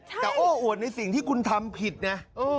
แต่โอ้อวดในสิ่งที่คุณทำผิดไง